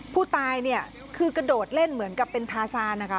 ผู้ตายเนี่ยคือกระโดดเล่นเหมือนกับเป็นทาซานนะคะ